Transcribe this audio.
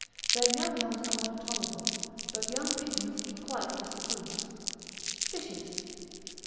their young ones are more tolerable, but young pigeons he quite disapproves. _Fishes.